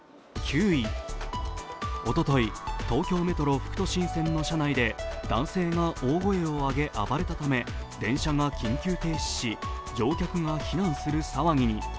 おととい、東京メトロ副都心線の車内で男性が大声を上げ、暴れたため電車が緊急停止し乗客が避難する騒ぎに。